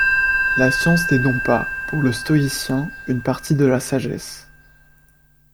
La science n'est donc pas, pour le stoïcien, une partie de la sagesse.